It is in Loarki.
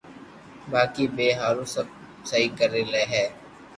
باقي َپ ھارون سب سھو ڪري لي ھي